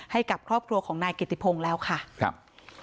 ให้กับครอบครัวของนายกิติพงศ์แล้วค่ะครับ